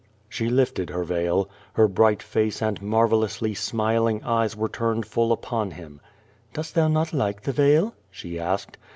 She lifted her veil. Iler bright face and marvellously smil ing eyes were turned full upon him. "Dost thou not like the veil?" she asked.